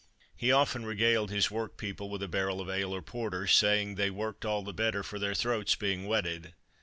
He often regaled his work people with a barrel of ale or porter, saying they "worked all the better for their throats being wetted."